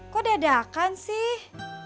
kok dadakan sih